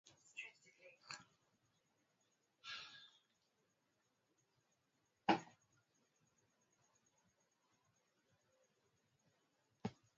na sasa tugeukie habari za afrika